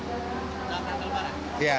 batam ke lebaran